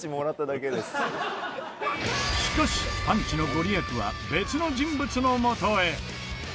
「」しかしパンチのご利益は別の人物のもとへ！